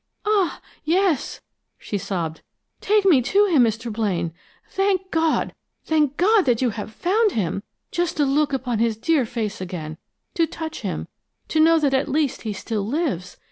"Ah, yes!" she sobbed. "Take me to him, Mr. Blaine! Thank God, thank God that you have found him! Just to look upon his dear face again, to touch him, to know that at least he still lives!